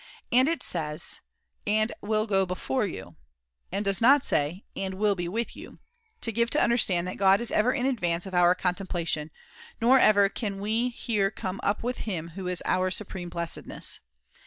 And it says :* And will go before you,' and does not say :' And will be with you,' to give to understand that God is ever in advance of our contemplation ; nor ever can we here come up with him who is our supreme blessedness.